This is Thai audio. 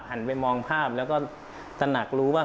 หันไปมองภาพแล้วก็ตระหนักรู้ว่า